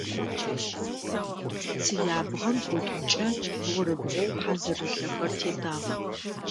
Цыябгъэм бгъуитӏумкӏэ бгъурыбгъоу хьазырылъэхэр тедагъ.